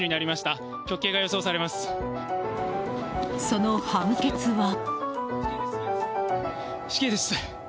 その判決は。